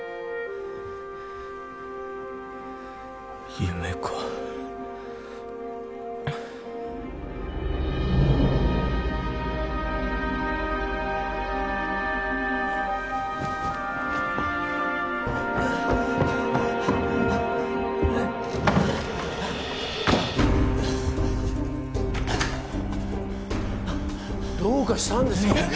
夢かどうかしたんですか？